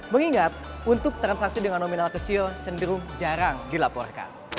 mengingat untuk transaksi dengan nominal kecil cenderung jarang dilaporkan